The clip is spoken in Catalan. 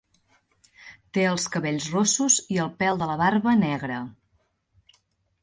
Té els cabells rossos i el pèl de la barba negre.